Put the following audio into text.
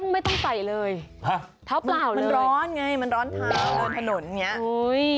ไม่ต้องใส่เลยเท้าเปล่ามันร้อนไงมันร้อนเท้าบนถนนอย่างนี้